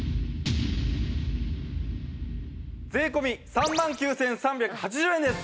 税込３万９３８０円です！